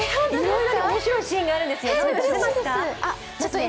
いろいろ面白いシーンがあるんですよ。